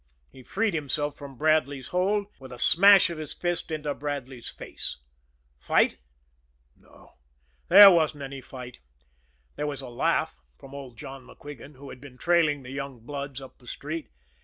He freed himself from Bradley's hold with a smash of his fist in Bradley's face. Fight? No; there wasn't any fight. There was a laugh from old John MacQuigan, who had been trailing the young bloods up the street.